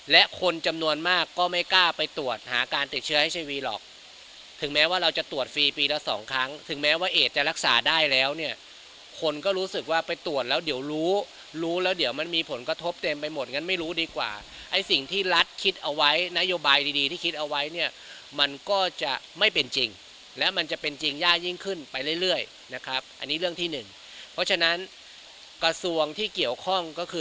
และคนจำนวนมากก็ไม่กล้าไปตรวจหาการติดเชื้อให้ชีวิตหรอกถึงแม้ว่าเราจะตรวจฟรีปีละสองครั้งถึงแม้ว่าเอจจะรักษาได้แล้วเนี่ยคนก็รู้สึกว่าไปตรวจแล้วเดี๋ยวรู้รู้แล้วเดี๋ยวมันมีผลกระทบเต็มไปหมดงั้นไม่รู้ดีกว่าไอ้สิ่งที่รัฐคิดเอาไว้นโยบายดีที่คิดเอาไว้เนี่ยมันก็จะไม่เป็